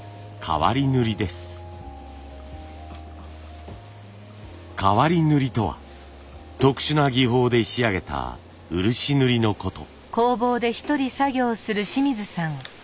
変わり塗とは特殊な技法で仕上げた漆塗りのこと。